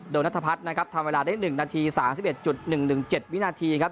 นัทพัฒน์นะครับทำเวลาได้๑นาที๓๑๑๗วินาทีครับ